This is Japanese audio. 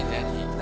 何？